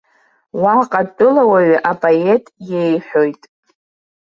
Уаҟа атәылауаҩы апоет иеиҳәоит.